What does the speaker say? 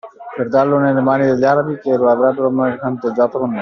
Per darlo nelle mani degli arabi che lo avrebbero mercanteggiato con noi